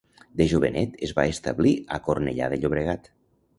De jovenet es va establir a Cornellà de Llobregat.